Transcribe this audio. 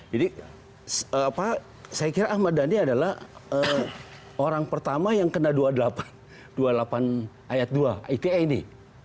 jadi saya kira ahmad dhani adalah orang pertama yang kena dua puluh delapan ayat dua ite ini